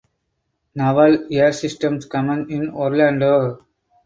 Naval Air Systems Command in Orlando.